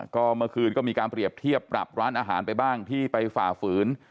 ก็เมื่อคืนก็มีการเปรียบเทียบปรับร้านอาหารไปบ้างที่ไปฝ่าฝืน